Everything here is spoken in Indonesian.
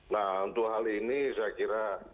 nah untuk hal ini saya kira